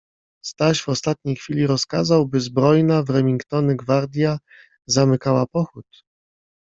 Staś w ostatniej chwili rozkazał, by zbrojna w remingtony gwardja zamykała pochód.